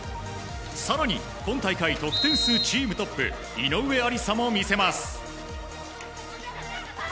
更に、今大会得点数チームトップ井上愛里沙も魅せます。